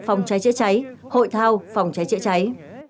phòng cháy trễ cháy hội thao phòng cháy trễ cháy